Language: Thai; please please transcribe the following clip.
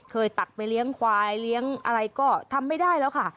ตักไปเลี้ยงควายเลี้ยงอะไรก็ทำไม่ได้แล้วค่ะ